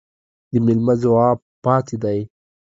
د ميلمه جواب پاتى دى.